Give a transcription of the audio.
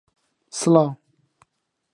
پێشتر ئەو دەنگەم بیستووە.